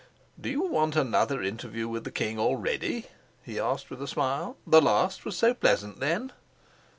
"Do you want another interview with the king already?" he asked with a smile. "The last was so pleasant, then?"